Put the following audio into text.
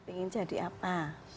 ingin jadi apa